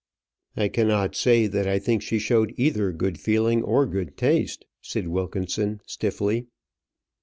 "I cannot say that I think she showed either good feeling or good taste," said Wilkinson, stiffly.